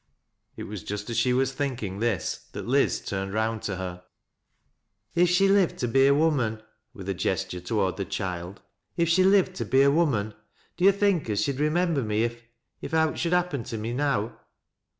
It was just as she was thinking this that Liz turned round to her :" If she lived to be a woman," with a gesture toward the child ;" if she lived to be a woman, do yo' think as she'd remember me if — if owt should happen to me now?